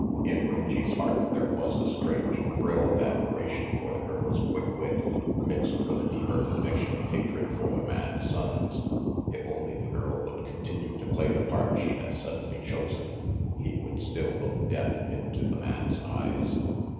In Rangy 's heart there was a strange thrill of admiration for the girl's quick wit, mixed with a deeper conviction of hatred for the man Sonnes. If only the girl would continue to play the part she had suddenly chosen, he would still look Death into the man's eyes.